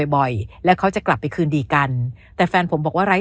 บ่อยแล้วเขาจะกลับไปคืนดีกันแต่แฟนผมบอกว่าไร้